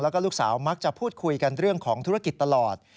แล้วก็ลูกสาวมักจะพูดคุยกันเรื่องของธุรกิจตลอด